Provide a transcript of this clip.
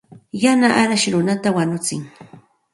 Yana arash runata wañutsin.